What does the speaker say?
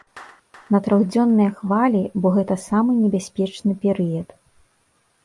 На трохдзённыя хвалі, бо гэта самы небяспечны перыяд.